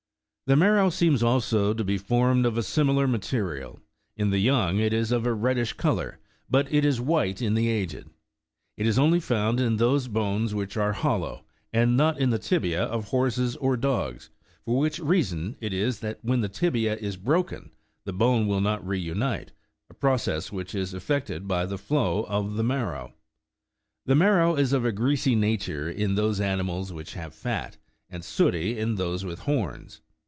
The marrow seems also to be formed of a similar material ; in the young it is of a reddish colour, but it is white in the aged. It is only found in those bones which are hollow, and not in the tibia? of horses or dogs ; for which reason it is, that when the tibia is broken, the bone will not reunite, a process which is effected6 by the flow of the marrow. The marrow is of a greasy nature in those animals which have fat, and suetty in those with horns.